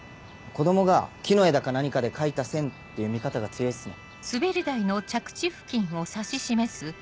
子供が木の枝か何かで描いた線っていう見方が強いっすね。